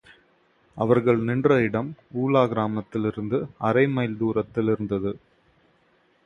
அவர்கள் நின்ற இடம் ஊலா கிராமத்திலிருந்து அரை மைல் தூரத்திலிருந்தது.